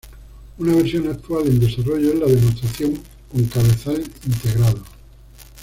Una versión actual en desarrollo es la demostración con cabezal integrado.